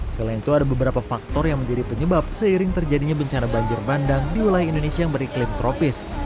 selain itu ada beberapa faktor yang menjadi penyebab seiring terjadinya bencana banjir bandang di wilayah indonesia yang beriklim tropis